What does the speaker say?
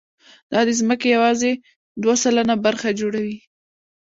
دا د ځمکې یواځې دوه سلنه برخه جوړوي.